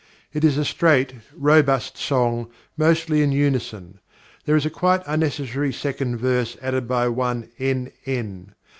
It is a straight, robust song, mostly in unison. There is a quite unnecessary second verse added by one "N. N."